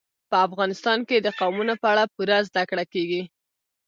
په افغانستان کې د قومونه په اړه پوره زده کړه کېږي.